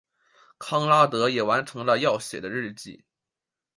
康拉德也完成了要写的日记。